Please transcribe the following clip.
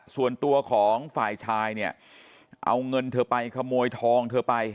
ส่วนตัวของฝ่ายชายเนี่ยเอาเงินเธอไปขโมยทองเธอไป